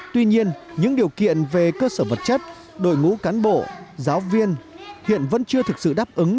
tuy nhiên những điều kiện về cơ sở vật chất đội ngũ cán bộ giáo viên hiện vẫn chưa thực sự đáp ứng